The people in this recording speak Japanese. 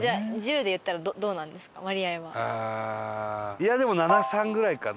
いやでも７：３ぐらいかな。